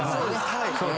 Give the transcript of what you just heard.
はい。